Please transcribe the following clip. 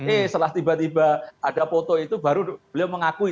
eh setelah tiba tiba ada foto itu baru beliau mengakui